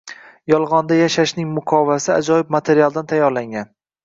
“Yolg‘onda yashash”ning muqovasi ajoyib materialdan tayyorlangan